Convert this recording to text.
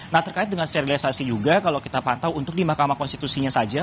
nah terkait dengan sterilisasi juga kalau kita pantau untuk di mahkamah konstitusinya saja